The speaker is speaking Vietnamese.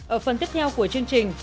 ở phần tiếp theo của chương trình